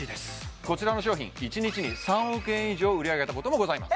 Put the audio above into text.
こちらの商品一日に３億円以上売り上げたこともございます